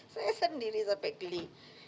saya sendiri sampai geli